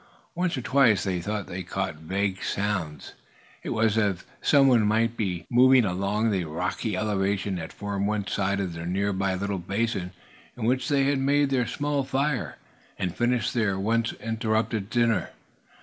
Once or twice they thought they caught vague sounds. It was as if some one might be moving along the rocky elevation that formed one side of the near by little basin in which they had made their small fire, and finished their once interrupted supper.